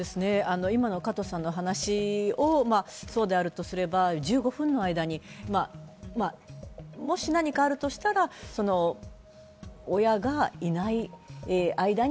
今の加藤さんの話がそうだとすれば、１５分の間にもし何かあるとしたら、親がいない間に